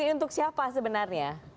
untuk siapa sebenarnya